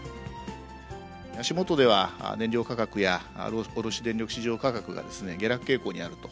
足元では燃料価格や卸電力市場価格が下落傾向にあると。